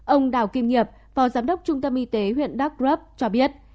ông đào kim nghiệp phó giám đốc trung tâm y tế huyện đắk rấp cho biết